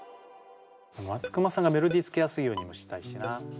松隈さんがメロディーつけやすいようにもしたいしな。